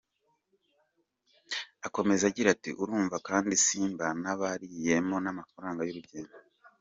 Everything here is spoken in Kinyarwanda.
Akomeza agira ati “Urumva kandi simba nabariyemo n’amafaranga y’urugendo.